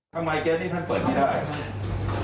ทำไมเก้นที่ท่านเปิดไม่ได้